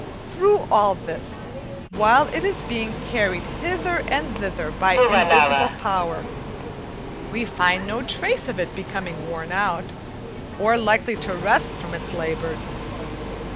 Through all this, while it is being carried hither and thither by invisible power, we find no trace of its becoming worn out, or likely to rest from its labours.